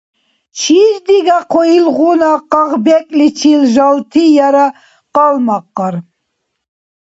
Чис дигахъу илгъуна къагъбекӀличил жалти яра къалмакъар?